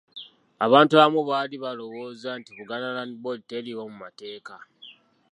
Abantu abamu baali balowooza nti Buganda Land Board teriiwo mu mateeka.